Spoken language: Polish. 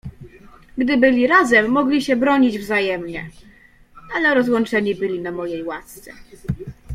"Gdy byli razem, mogli się bronić wzajemnie, ale rozłączeni byli na mojej łasce."